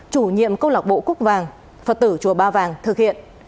chủ nhiệm câu lạc bộ cúc vàng phật tử chùa ba vàng thực hiện